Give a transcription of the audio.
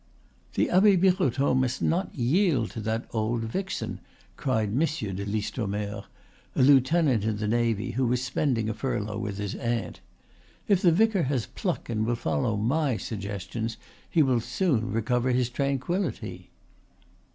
"The Abbe Birotteau must not yield to that old vixen," cried Monsieur de Listomere, a lieutenant in the navy who was spending a furlough with his aunt. "If the vicar has pluck and will follow my suggestions he will soon recover his tranquillity."